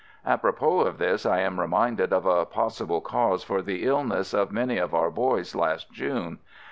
Apropos of this I am reminded of a possible cause for the illness of many of our boys last June.